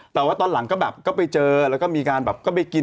แต่ว่าตอนหลังก็แบบก็ไปเจอแล้วก็มีการแบบก็ไปกิน